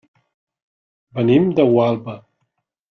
Venim de Gualba.